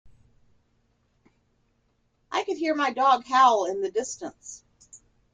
I could hear my dog howl in the distance.